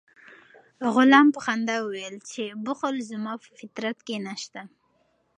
غلام په خندا وویل چې بخل زما په فطرت کې نشته.